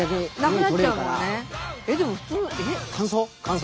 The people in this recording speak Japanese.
えっでも普通えっ？